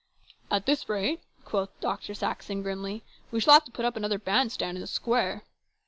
" At this rate," quoth Dr. Saxon grimly, " we shall have to put up another band stand in the square